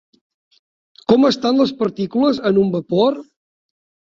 Com estan les partícules en un vapor?